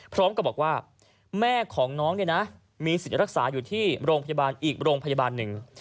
พร้อมกับบอกว่าแม่ของน้องเนี่ยนะมีสิทธิ์รักษาอยู่ที่โรงพยาบาลอีกโรงพยาบาลหนึ่ง